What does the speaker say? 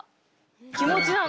気持ちなの。